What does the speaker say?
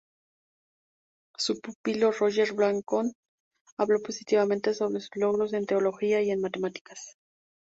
Su pupilo Roger Bacon, habló positivamente sobre sus logros en teología y en matemáticas.